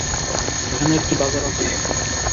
এখানে একটি বাজার আছে।